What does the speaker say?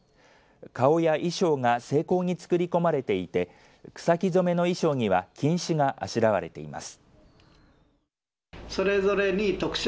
顔や衣装が精巧に作り込まれていて草木染めの衣装には金糸があしらわれています。